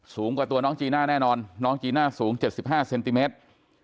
สูงกว่าตัวน้องจีน่าแน่นอนน้องจีน่าสูง๗๕เซนติเมตร